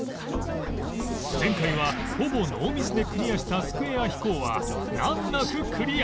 前回はほぼノーミスでクリアしたスクエア飛行は難なくクリア。